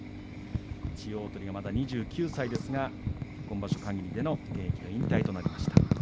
千代鳳はまだ２９歳ですが今場所かぎりでの現役引退となりました。